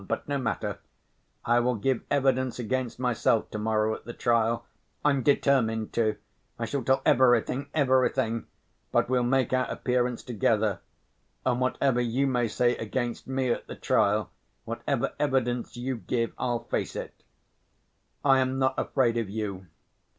But no matter, I will give evidence against myself to‐morrow at the trial. I'm determined to! I shall tell everything, everything. But we'll make our appearance together. And whatever you may say against me at the trial, whatever evidence you give, I'll face it; I am not afraid of you.